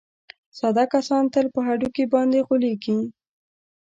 ساده کسان تل په هډوکي باندې غولېږي.